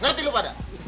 ngerti lu pada